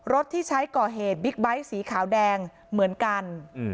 ที่ใช้ก่อเหตุบิ๊กไบท์สีขาวแดงเหมือนกัน